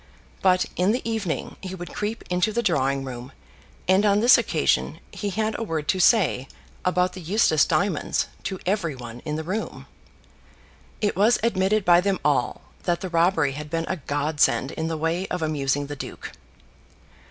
But in the evening he would creep into the drawing room, and on this occasion he had a word to say about the Eustace diamonds to every one in the room. It was admitted by them all that the robbery had been a godsend in the way of amusing the duke.